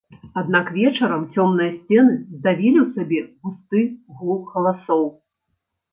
Аднак вечарам цёмныя сцены здавілі ў сабе густы гул галасоў.